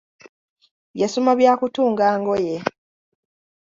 Yasoma bya kutunga ngoye.